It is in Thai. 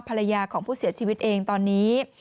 ภรรยาของผู้เสียชีวิตเองตอนนี้